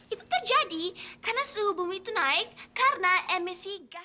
itu terjadi karena suhu bumi itu naik karena emisi gas